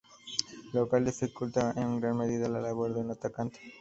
Lo cual dificulta en gran medida la labor de un atacante.